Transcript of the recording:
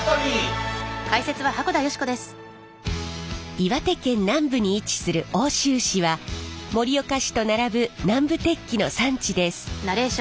岩手県南部に位置する奥州市は盛岡市と並ぶ南部鉄器の産地です。